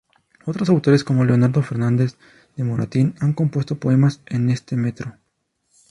Otros autores, como Leandro Fernández de Moratín, han compuesto poemas en este metro.